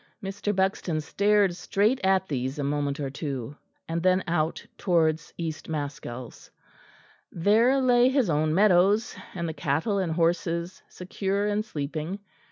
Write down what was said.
Mr. Buxton stared straight at these a moment or two, and then out towards East Maskells. There lay his own meadows, and the cattle and horses secure and sleeping.